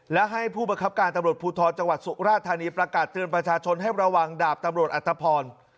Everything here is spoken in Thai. และให้ผู้บังคับการตำรวจภูทรจังหวัดสุราธานีประกาศเตือนประชาชนให้ระวังดาบตำรวจอัตภพร